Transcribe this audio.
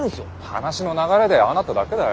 話の流れでああなっただけだよ。